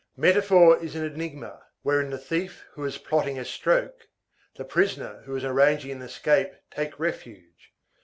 Metaphor is an enigma, wherein the thief who is plotting a stroke, the prisoner who is arranging an escape, take refuge.